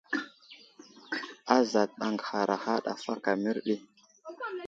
Azat aŋgəhara ɗaf aka mərdi.